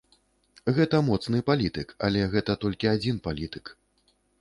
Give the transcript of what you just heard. Гэта моцны палітык, але гэта толькі адзін палітык.